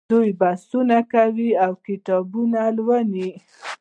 دوی بحثونه کوي او کتاب لوالي.